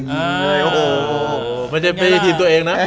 โอ้โหมันจะเป็นทีมตัวเองนะ